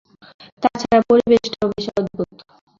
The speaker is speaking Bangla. তা ছাড়া পরিবেশটাও বেশ অদ্ভুত।